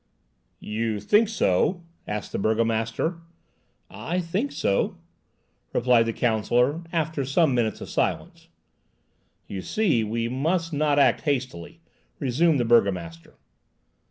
"You think so?" asked the burgomaster. "I—think so," replied the counsellor, after some minutes of silence. "You see, we must not act hastily," resumed the burgomaster.